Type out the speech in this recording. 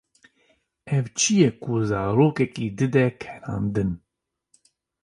Ew çi ye ku zarokekî dide kenandin?